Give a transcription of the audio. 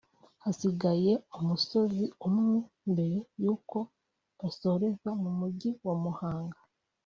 Hasigaye umusozi umwe mbere yuko basoreza mu mujyi wa Muhanga